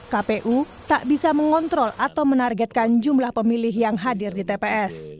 kpu tak bisa mengontrol atau menargetkan jumlah pemilih yang hadir di tps